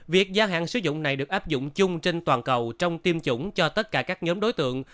việc gia hạn sử dụng này được áp dụng chung trên toàn cầu trong tiêm chủng cho tất cả các nhóm đối tượng